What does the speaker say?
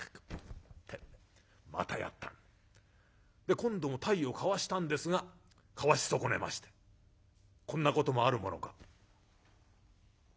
今度も体をかわしたんですがかわし損ねましてこんなこともあるものか。